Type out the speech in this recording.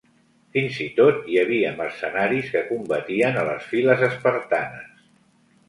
Fins i tot hi havia mercenaris que combatien a les files espartanes.